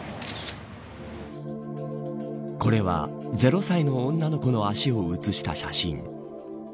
これは、０歳の女の子の足を写した写真。